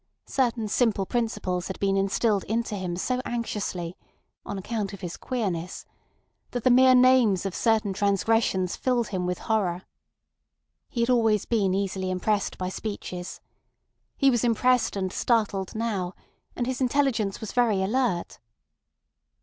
Certain simple principles had been instilled into him so anxiously (on account of his "queerness") that the mere names of certain transgressions filled him with horror. He had been always easily impressed by speeches. He was impressed and startled now, and his intelligence was very alert.